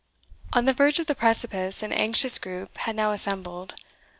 On the verge of the precipice an anxious group had now assembled.